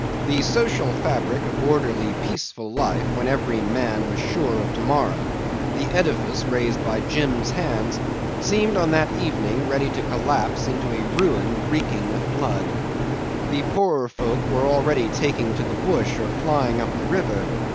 The social fabric of orderly, peaceful life, when every man was sure of to morrow, the edifice raised by Jim's hands, seemed on that evening ready to collapse into a ruin reeking with blood. The poorer folk were already taking to the bush or flying up the river.